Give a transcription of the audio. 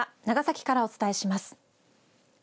長崎からお伝えします。